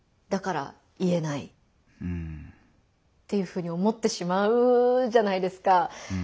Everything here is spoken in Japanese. だから言えないっていうふうに思ってしまうじゃないですか。